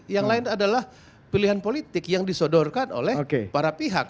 yang lain adalah pilihan politik yang disodorkan oleh para pihak